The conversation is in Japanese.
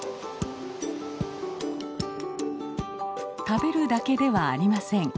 食べるだけではありません。